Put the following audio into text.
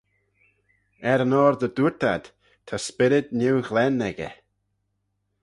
Er-yn-oyr dy dooyrt ad, ta spyrryd neu-ghlen echey.